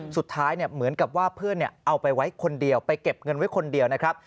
สุดท้ายเหมือนกับว่าเพื่อนเอาไปไว้คนเดียวไปเก็บเงินไว้คนเดียวนะครับ